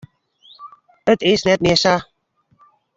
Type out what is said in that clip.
It is net mear sa.